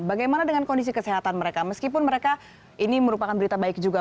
bagaimana dengan kondisi kesehatan mereka meskipun mereka ini merupakan berita baik juga